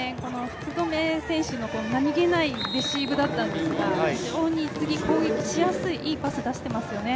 福留選手の何気ないレシーブだったんですが、非常に次、攻撃しやすいいいパス出してますよね。